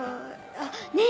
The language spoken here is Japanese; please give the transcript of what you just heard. あっねぇ！